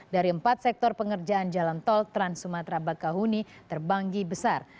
dari empat sektor pengerjaan jalan tol trans sumatera bakahuni terbanggi besar